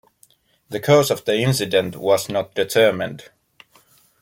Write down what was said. The cause of the incident was not determined.